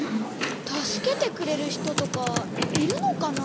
助けてくれる人とかいるのかなあ？